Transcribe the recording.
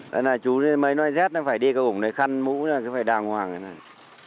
đó là chú mấy loài rét nó phải đi cái ủng đấy khăn mũ nó phải đào hoàng cái này